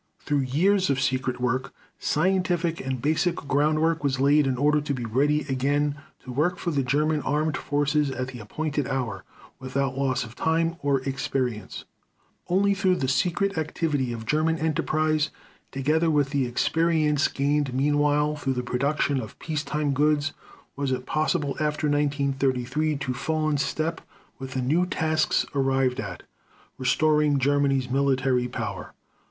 Through years of secret work, scientific and basic groundwork was laid in order to be ready again to work for the German armed forces at the appointed hour, without loss of time or experience .... Only through the secret activity of German enterprise together with the experience gained meanwhile through the production of peace time goods was it possible after 1933 to fall into step with the new tasks arrived at, restoring Germany's military power."